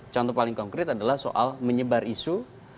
contoh paling konkret adalah soal menyebar isu